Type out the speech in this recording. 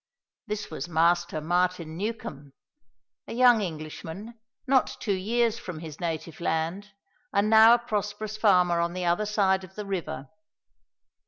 This was Master Martin Newcombe, a young Englishman, not two years from his native land, and now a prosperous farmer on the other side of the river.